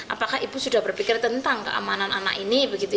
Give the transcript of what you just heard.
apakah ibu sudah berpikir tentang keamanan anak ini